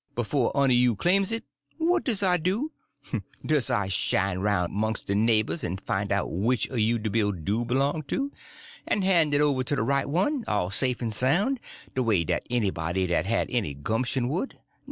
Bofe un you claims it. What does I do? Does I shin aroun' mongs' de neighbors en fine out which un you de bill do b'long to, en han' it over to de right one, all safe en soun', de way dat anybody dat had any gumption would?